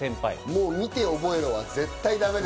もう見て覚えろは絶対だめ。